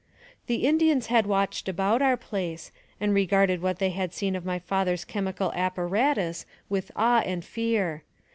" The Indians had watched about our place, and re garded what they had seen of my father's chemical ap paratus with awe and fear.